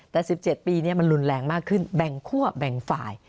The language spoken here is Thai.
แต่๑๗ปีนี้มันรุนแรงมากขึ้นแบ่งคั่วแบ่งฝ่าย